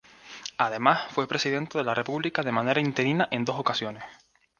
Además, fue Presidente de la República de manera interina en dos ocasiones.